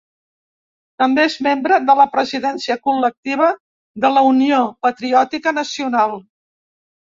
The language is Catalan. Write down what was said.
També és membre de la presidència col·lectiva de la Unió Patriòtica Nacional.